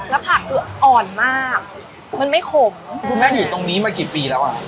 แล้วผัดคืออ่อนมากมันไม่ขน